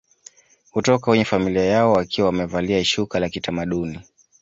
Hutoka kwenye familia yao wakiwa wamevalia shuka la kitamaduni